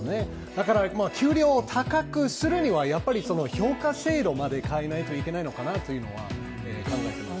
だから、給料を高くするには、評価制度まで変えないといけないのかなというのは考えています。